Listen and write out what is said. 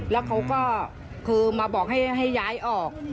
แล้วเขาก็คือมาบอกให้ย้ายออก